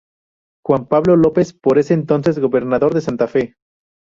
Juan Pablo López", por ese entonces, gobernador de Santa Fe.